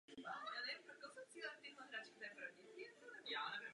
Stalo se jedním z opěrných bodů Československých legií.